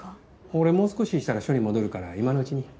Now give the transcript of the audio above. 俺もう少ししたら署に戻るから今のうちに。